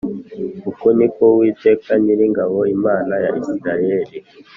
Uku ni ko uwiteka nyiringabo imana ya isirayeli